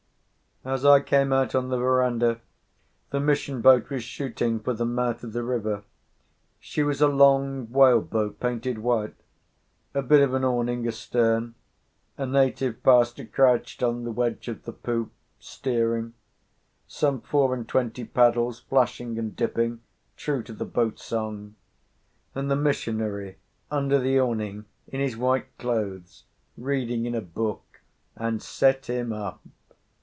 As I came out on the verandah, the mission boat was shooting for the mouth of the river. She was a long whale boat painted white; a bit of an awning astern; a native pastor crouched on the wedge of the poop, steering; some four and twenty paddles flashing and dipping, true to the boat song; and the missionary under the awning, in his white clothes, reading in a book, and set him up!